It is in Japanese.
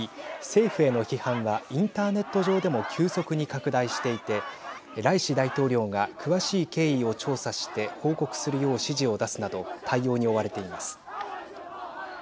政府への批判はインターネット上でも急速に拡大していてライシ大統領が詳しい経緯を調査して報告するよう指示を出すなど対応に追われています。